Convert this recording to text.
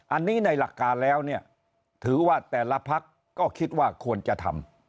อันนี้ในหลักการแล้วเนี่ยถือว่าแต่ละพักก็คิดว่าควรจะทำ